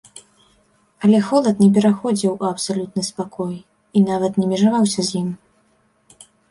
Але холад не пераходзіў у абсалютны спакой і нават не межаваўся з ім.